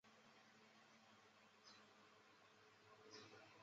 蒙古自治运动领导人之一。